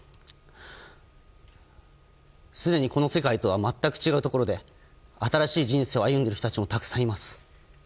すでに、この世界とは全く違うところで新しい人生を歩んでいる人たちもたくさんいます。